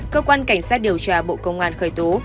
cơ quan cảnh sát điều tra bộ công an khởi tố